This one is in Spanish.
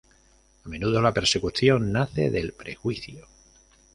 A menudo la persecución nace del "prejuicio".